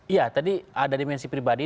iya tadi ada dimensi pribadi